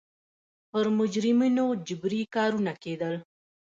پر مجرمینو جبري کارونه کېدل.